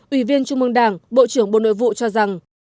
ủy viên trung mương đảng bộ trưởng bộ nội vụ cho rằng